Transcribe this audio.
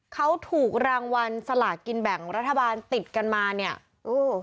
เขาถูกรางวัลสลากินแบ่งรัฐบาลติดกันมาเนี่ยโอ้